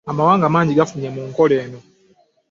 Amawanga mangi gafunye mu nkola eno.